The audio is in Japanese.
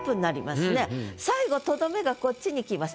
最後とどめがこっちに来ます。